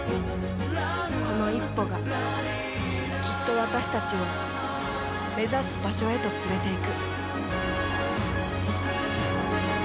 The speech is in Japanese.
この一歩が、きっと私たちを目指す場所へと連れていく。